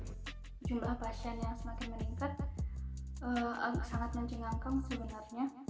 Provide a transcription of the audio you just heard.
jumlah pasien yang semakin meningkat sangat mencengangkan sebenarnya